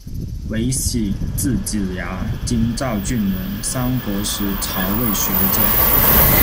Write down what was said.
隗禧，字子牙，京兆郡人，三国时曹魏学者。